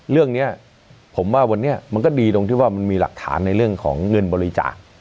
เรื่องนี้ผมว่าวันนี้มันก็ดีตรงที่ว่ามันมีหลักฐานในเรื่องของเงินบริจาค